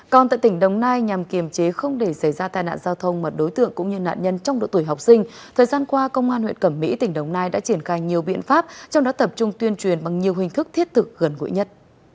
còn tại tỉnh đồng nai nhằm kiềm chế không để xảy ra tai nạn giao thông mật đối tượng cũng như nạn nhân trong độ tuổi học sinh thời gian qua công an huyện cẩm mỹ tỉnh đồng nai đã triển khai nhiều biện pháp trong đó tập trung tuyên truyền bằng nhiều hình thức thiết thực gần gũi nhất